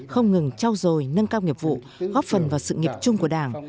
không ngừng trao dồi nâng cao nghiệp vụ góp phần vào sự nghiệp chung của đảng